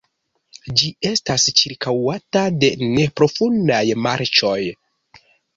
Ĝi estas ĉirkaŭata de neprofundaj marĉoj.